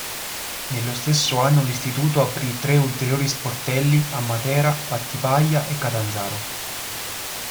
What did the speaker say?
Nello stesso anno l'Istituto aprì tre ulteriori sportelli a Matera, Battipaglia e Catanzaro.